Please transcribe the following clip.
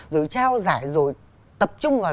rồi trao giải rồi tập trung vào